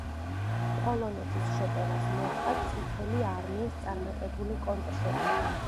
პოლონეთის შეტევას მოყვა წითლი არმიის წარმატებული კონტრშეტევა.